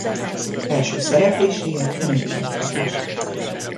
Első szerepléséért Emmy-díjat kapott.